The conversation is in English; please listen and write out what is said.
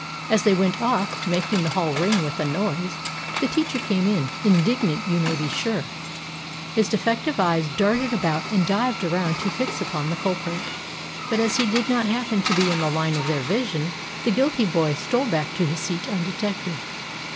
As they went off, making the hall ring with the noise, the teacher came in, indignant, you may be sure. His defective eyes darted about and dived around to fix upon the culprit; but as he did not happen to be in the line of their vision, the guilty boy stole back to his seat undetected.